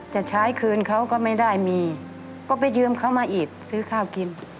จะใช้คืนเขาก็ไม่ได้มีก็ไปยืมเขามาอีกซื้อข้าวกิน